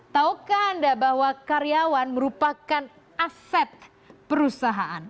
taukah anda bahwa karyawan merupakan aset perusahaan